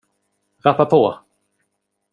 rappa på!